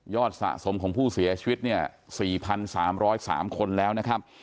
สะสมของผู้เสียชีวิตเนี่ย๔๓๐๓คนแล้วนะครับ